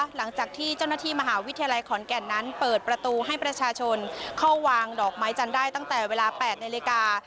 หลังจากที่เจ้าหน้าที่มหาวิทยาลัยขอนแก่นนั้นเปิดประตูให้ประชาชนเข้าวางดอกไม้จันทร์ได้ตั้งแต่เวลา๘นาฬิกา